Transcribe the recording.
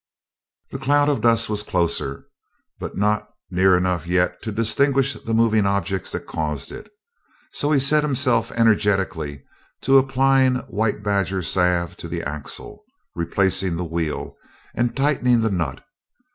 The cloud of dust was closer, but not near enough yet to distinguish the moving objects that caused it, so he set himself energetically to applying White Badger Salve to the axle, replacing the wheel and tightening the nut.